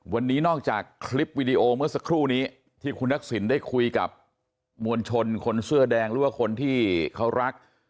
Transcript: วันนี้นอกจากคลิปวิดีโอเมื่อสักครู่นี้ที่คุณทักษิณได้คุยกับมวลชนคนเสื้อแดงหรือว่าคนที่เขารัก